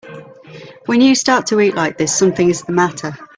When you start to eat like this something is the matter.